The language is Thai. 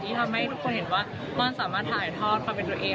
ทำให้ทุกคนเห็นว่าป้อนสามารถถ่ายทอดความเป็นตัวเอง